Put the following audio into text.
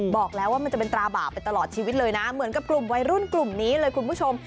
บอกแล้วว่ามันจะเป็นตราบาปไปตลอดชีวิตเลยนะเหมือนกับกลุ่มวัยรุ่นกลุ่มนี้เลยคุณผู้ชม